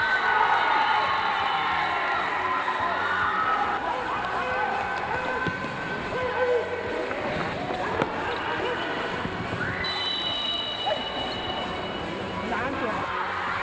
เข้าให้กดกรุ่นมาบางทีเราก็จะเข้าให้พัฒนธุ์